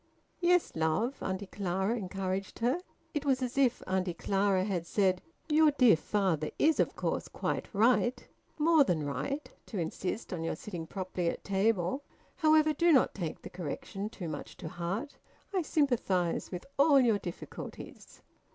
"Yes, love?" Auntie Clara encouraged her. It was as if Auntie Clara had said: "Your dear father is of course quite right, more than right, to insist on your sitting properly at table. However, do not take the correction too much to heart. I sympathise with all your difficulties."